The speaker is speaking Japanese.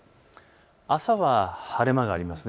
朝は晴れ間があります。